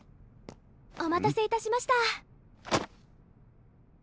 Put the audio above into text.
お待たせいたしました。